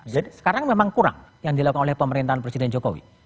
jadi sekarang memang kurang yang dilakukan oleh pemerintahan presiden jokowi